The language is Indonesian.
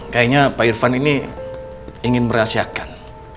kayaknya pak irfan ini ingin merahasiakan